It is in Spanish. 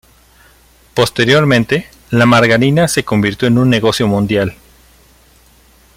Posteriormente, la margarina se convirtió en un negocio mundial.